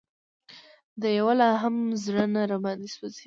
د یوه لا هم زړه نه راباندې سوزي